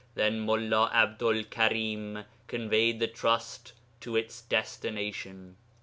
Then Mullā 'Abdu'l Karim conveyed the trust to its destination.'